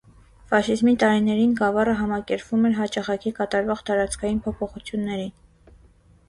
Ֆաշիզմի տարիներին գավառը համակերպվում էր հաճախակի կատավող տարածքային փոփոխություններին։